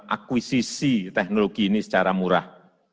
akuisisi teknologi ini secara murah